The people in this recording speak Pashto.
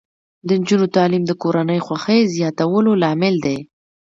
د نجونو تعلیم د کورنۍ خوښۍ زیاتولو لامل دی.